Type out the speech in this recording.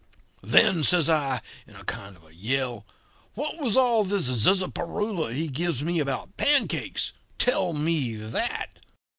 "'Then,' says I, in a kind of yell, 'what was all this zizzaparoola he gives me about pancakes? Tell me that.'